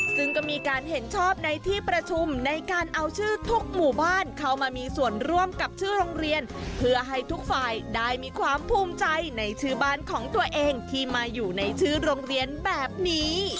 ซึ่งก็มีการเห็นชอบในที่ประชุมในการเอาชื่อทุกหมู่บ้านเข้ามามีส่วนร่วมกับชื่อโรงเรียนเพื่อให้ทุกฝ่ายได้มีความภูมิใจในชื่อบ้านของตัวเองที่มาอยู่ในชื่อโรงเรียนแบบนี้